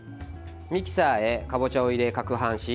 ミキサーへかぼちゃを入れかくはんし